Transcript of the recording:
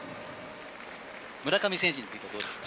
村上選手についてはどうですか。